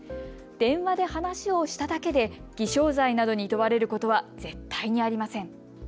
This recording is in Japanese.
電話で話をしただけで偽証罪などに問われることは絶対にありません。